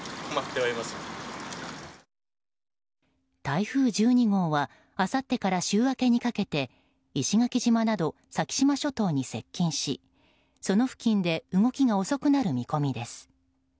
台風１２号はあさってから週明けにかけて石垣島など先島諸島に接近しその付近で動きが遅くなる見込みです。